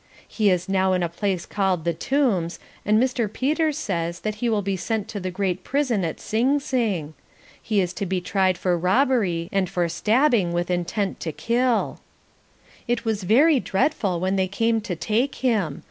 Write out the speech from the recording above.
He is now in a place called The Tombs, and Mr. Peters says that he will be sent to the great prison at Sing Sing. He is to be tried for robbery and for stabbing with intent to kill. It was very dreadful when they came to take him.